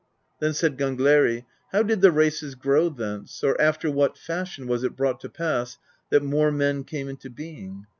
Then said Gangleri :^^ How did the races grow thence, or after what fashion was it brought to pass that more men came into being?